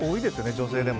女性でも。